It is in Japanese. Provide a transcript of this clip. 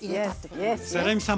レミさん